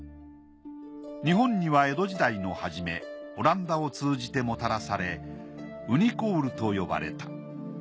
日本には江戸時代の初めオランダを通じてもたらされウニコウルと呼ばれた。